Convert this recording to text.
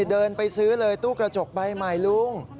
เดินไปซื้อเลยตู้กระจกใบใหม่ลุง